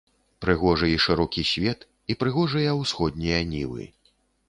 Прыгожы і шырокі свет, і прыгожыя ўсходнія нівы.